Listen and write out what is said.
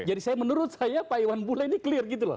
jadi saya menurut saya pak iwan bule ini clear gitu loh